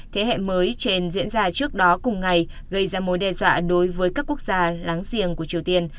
thế hệ mới trên diễn ra trước đó cùng ngày gây ra mối đe dọa đối với các quốc gia láng giềng của triều tiên